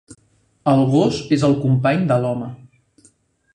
El gos és el company de l'home.